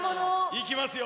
いきますよ。